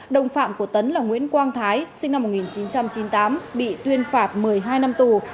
đồng phạm của tấn là nguyễn quang thái sinh năm một nghìn chín trăm chín mươi tám bị tuyên phạt một mươi hai năm tù